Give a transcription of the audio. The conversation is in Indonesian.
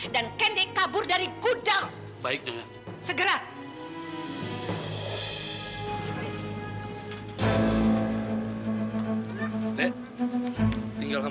tanpa dari kurung aku